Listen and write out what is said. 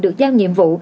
được giao nhiệm vụ